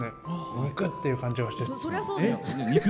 肉！って感じがして。